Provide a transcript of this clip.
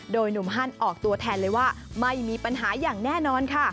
โดยหนุ่มฮันออกตัวแทนเลยว่าไม่มีปัญหาอย่างแน่นอนค่ะ